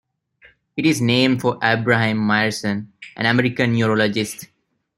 It is named for Abraham Myerson, an American neurologist.